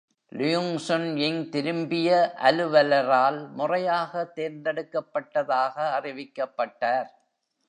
லியுங் சுன்-யிங் திரும்பிய அலுவலரால் முறையாக தேர்ந்தெடுக்கப்பட்டதாக அறிவிக்கப்பட்டார்.